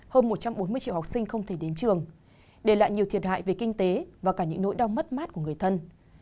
hơn một trăm bốn mươi triệu học sinh không thể đến trường để lại nhiều thiệt hại về kinh tế và cả những nỗi đau mất mát của người thân